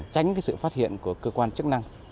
tránh sự phát hiện của cơ quan chức năng